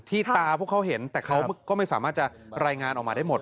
ตาพวกเขาเห็นแต่เขาก็ไม่สามารถจะรายงานออกมาได้หมด